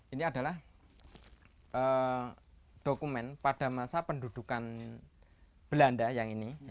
ini adalah dokumen pada masa pendudukan belanda yang ini